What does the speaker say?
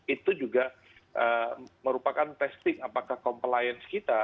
itu juga merupakan testing apakah compliance kita